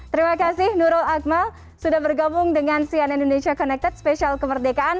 terima kasih nurul akmal sudah bergabung dengan cn indonesia connected spesial kemerdekaan